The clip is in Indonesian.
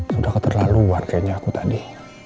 sudah keterlaluan kayaknya aku tadi